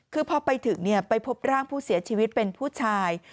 คือพอไปถึงไปพบร่างผู้เสียชีวิตเป็นผู้ชาย